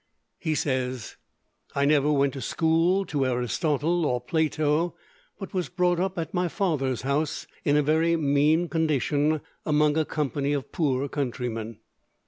He says, "I never went to school to Aristotle or Plato, but was brought up at my father's house in a very mean condition, among a company of poor countrymen."